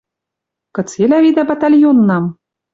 Кыцелӓ видӓ батальоннам?» —